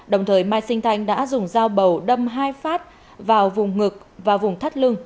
đồng thời mai sinh thanh đã dùng dao bầu đâm hai phát vào vùng ngực và vùng thắt lưng